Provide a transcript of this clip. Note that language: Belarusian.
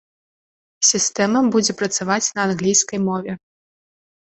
Сістэма будзе працаваць на англійскай мове.